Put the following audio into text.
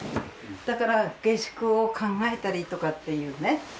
だから下宿を考えたりとかっていうね。